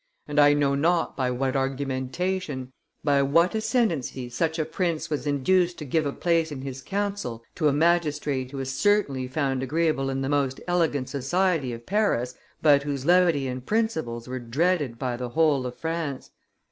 and I know not by what argumentation, by what ascendency such a prince was induced to give a place in his council to a magistrate who was certainly found agreeable in the most elegant society of Paris, but whose levity and principles were dreaded by the whole of France.